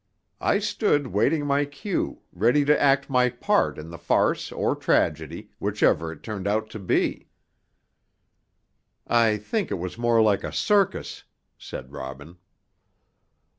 I stood waiting my cue, ready to act my part in the farce or tragedy, whichever it turned out to be." "I think it was more like a circus," said Robin.